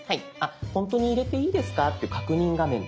「ほんとに入れていいですか？」っていう確認画面です。